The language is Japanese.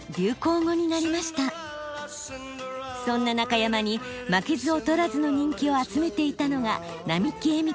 そんな中山に負けず劣らずの人気を集めていたのが並木惠美子です。